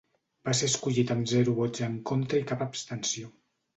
Va ser escollit amb zero vots en contra i cap abstenció.